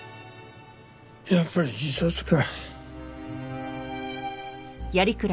やっぱり自殺か。